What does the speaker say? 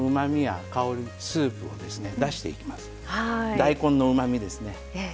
大根のうまみですね。